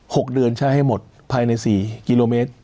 หกเดือนใช้ให้หมดภายในสี่กิโลเมตร